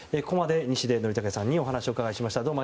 ここまで西出則武さんにお話を伺いました。